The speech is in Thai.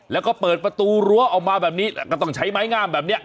แล้วก็เปิดประตูรั้วออกมาแบบนี้ก็ต้องใช้ไม้งามแบบนี้